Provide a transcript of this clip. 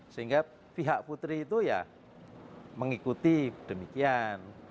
sehingga pihak putri itu ya mengikuti demikian